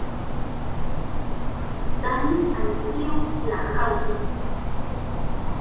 Tani al iu la haŭton.